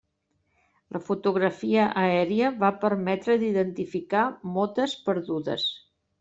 La fotografia aèria va permetre d'identificar motes perdudes.